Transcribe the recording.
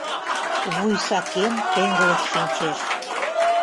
Вуй сакен, теҥгылыш шинчеш.